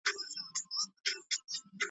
د حاجتونو جوابونه لیکي .